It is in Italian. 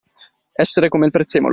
Essere come il prezzemolo.